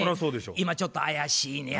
今ちょっと怪しいねや。